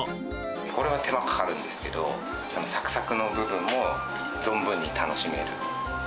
これは手間かかるんですけど、そのさくさくの部分も存分に楽しめる。